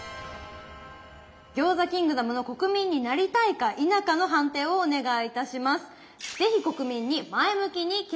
餃子キングダムの国民になりたいか否かの判定をお願いいたします。